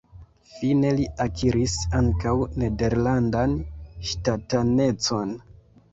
Fine li akiris ankaŭ nederlandan ŝtatanecon.